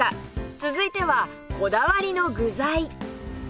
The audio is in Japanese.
続いてはこだわりの具材